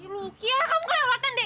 luki kamu kelewatan deh